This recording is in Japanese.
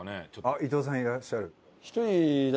あっ伊藤さんいらっしゃる。